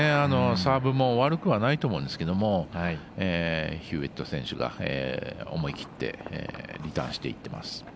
サーブも悪くはないと思うんですけれどもヒューウェット選手が思い切ってリターンしていってます。